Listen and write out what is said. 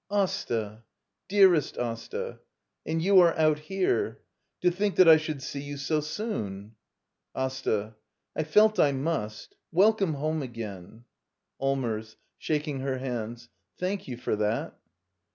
] Asta! Dearest Asta! And you are out here! To think that I should see you so soon! Asta. I felt I must — Welcome home again! Allmers. [Shaking her hands.] Thank you for that!